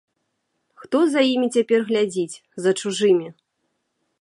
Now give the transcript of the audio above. Хто за імі цяпер глядзіць, за чужымі?